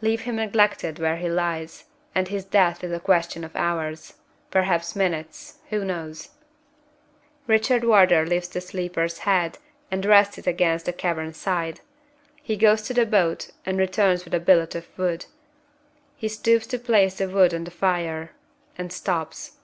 Leave him neglected where he lies, and his death is a question of hours perhaps minutes; who knows? Richard Wardour lifts the sleeper's head and rests it against the cavern side. He goes to the boat, and returns with a billet of wood. He stoops to place the wood on the fire and stops.